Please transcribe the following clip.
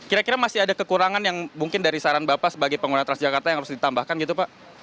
kira kira masih ada kekurangan yang mungkin dari saran bapak sebagai pengguna transjakarta yang harus ditambahkan gitu pak